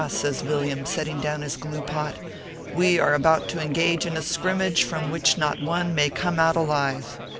says Villiam, setting down his glue pot, " we are about to engage in a skrimmage from which not one may come out alive.